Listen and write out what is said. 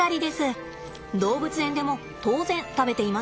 動物園でも当然食べていますよ。